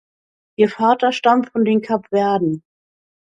Ihr Vater stammt von den Kapverden.